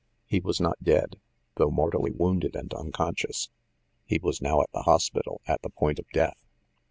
He was not dead, though mor tally wounded and unconscious. He was now at the hospital, at the point of death.